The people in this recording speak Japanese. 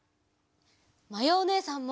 まやおねえさんも！